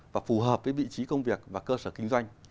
và phù hợp với vị trí công việc và cơ sở kinh doanh